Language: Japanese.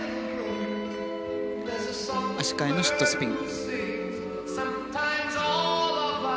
足換えのシットスピン。